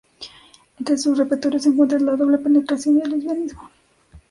Entre su repertorio se encuentra la doble penetración y el lesbianismo.